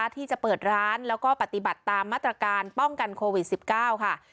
ที่จะเปิดร้านแล้วก็ปฏิบัติตามมาตรการป้องกันโควิด๑๙ค่ะ